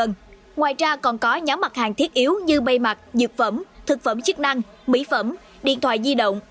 ngoài ra còn có nhóm mặt hàng thiết yếu như bây mặt dược phẩm thực phẩm chức năng mỹ phẩm điện thoại di động